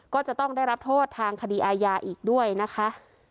ก็จะต้องได้รับโทษทางคดีอาญาอีกด้วยนะคะ